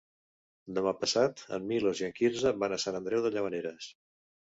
Demà passat en Milos i en Quirze van a Sant Andreu de Llavaneres.